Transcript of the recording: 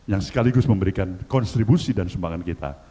yang sekaligus memberikan konstribusi dan sumbangan kita